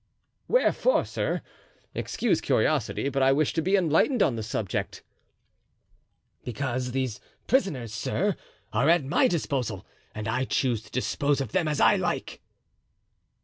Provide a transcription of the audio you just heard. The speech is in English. "Wherefore, sir? Excuse curiosity, but I wish to be enlightened on the subject." "Because these prisoners, sir, are at my disposal and I choose to dispose of them as I like."